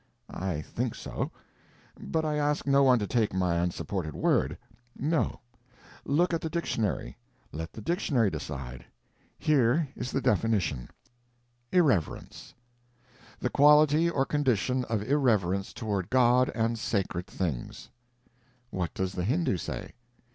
I think so. But I ask no one to take my unsupported word; no, look at the dictionary; let the dictionary decide. Here is the definition: Irreverence. The quality or condition of irreverence toward God and sacred things. What does the Hindu say?